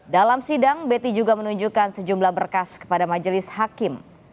dalam sidang betty juga menunjukkan sejumlah berkas kepada majelis hakim